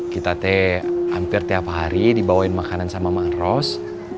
kita teh hampir tiap hari dibawain makanan sama maros